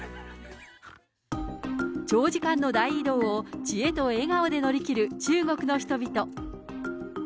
長時間の大移動を知恵と笑顔で乗り切る中国の人々。